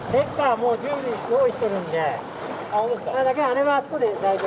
もう用意してるんで、あれはあそこで大丈夫。